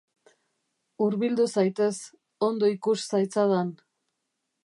Hurbildu zaitez, ongi ikus zaitzadan.